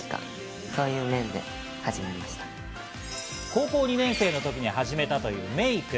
高校２年生のときに始めたというメーク。